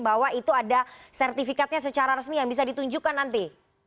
bahwa itu ada sertifikatnya secara resmi yang bisa ditunjukkan nanti